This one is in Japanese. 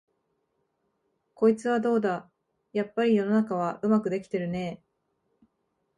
こいつはどうだ、やっぱり世の中はうまくできてるねえ、